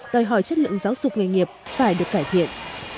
đòi hỏi chất lượng giáo dục nghề nghiệp phải được cải thiện